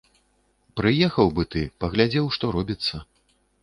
Прыехаў бы ты, паглядзеў, што робіцца.